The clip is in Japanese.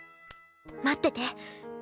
待ってて。